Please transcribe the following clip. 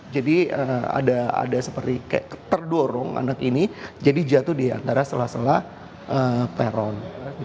jadi ada seperti terdorong anak ini jadi jatuh di antara celah celah peron